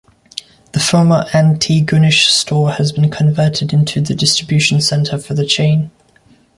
The former Antigonish store has been converted into the distribution centre for the chain.